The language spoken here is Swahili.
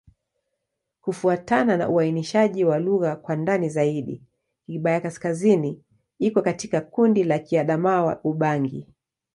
Kufuatana na uainishaji wa lugha kwa ndani zaidi, Kigbaya-Kaskazini iko katika kundi la Kiadamawa-Ubangi.